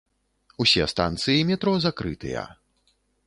Усе станцыі метро закрытыя.